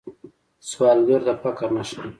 سوالګر د فقر نښه ده